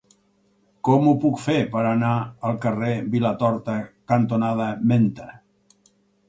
Com ho puc fer per anar al carrer Vilatorta cantonada Menta?